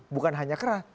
bukan hanya keras